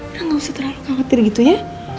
udah gak usah terlalu khawatir gitu ya